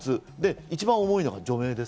一番重いのが除名。